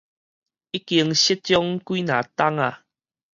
已經失蹤幾若冬矣